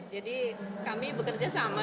jadi kami bekerja sama